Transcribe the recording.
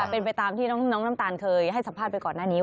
เป็นไปตามที่น้องน้ำตาลเคยให้สัมภาษณ์ไปก่อนหน้านี้